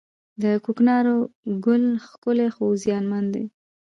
د کوکنارو ګل ښکلی خو زیانمن دی